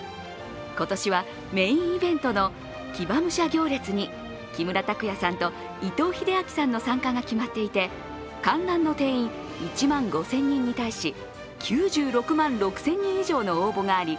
今年はメインイベントの騎馬武者行列に木村拓哉さんと伊藤英明さんの参加が決まっていて観覧の定員１万５０００人に対し９６万６０００人以上の応募があり